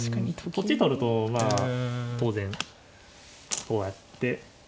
こっち取るとまあ当然こうやって。